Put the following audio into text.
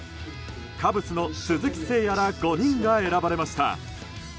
カブスの鈴木誠也ら５人が選ばれました。